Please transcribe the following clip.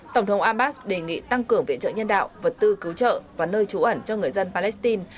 tổng thống abbas đề nghị tăng cường viện trợ nhân đạo vật tư cứu trợ và nơi trú ẩn cho người dân palestine